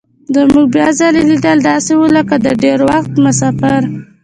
زموږ بیا ځلي لیدل داسې وو لکه د ډېر وخت مسافر.